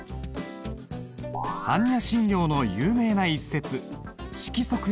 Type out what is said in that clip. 般若心経の有名な一節「色即是空」。